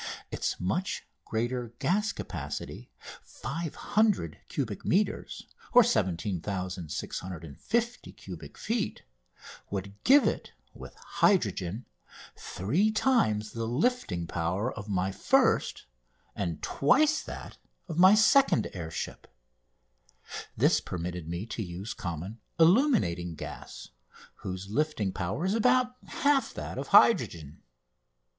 Its much greater gas capacity 500 cubic metres (17,650 cubic feet) would give it, with hydrogen, three times the lifting power of my first, and twice that of my second air ship. This permitted me to use common illuminating gas, whose lifting power is about half that of hydrogen.